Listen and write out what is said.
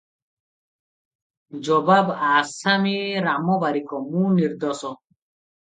ଜବାବ ଆସାମୀ ରାମ ବାରିକ - ମୁଁ ନିର୍ଦ୍ଦୋଷ